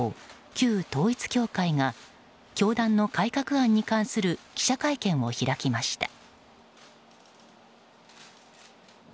旧統一教会が教団の改革案に関する記者会見を開きました。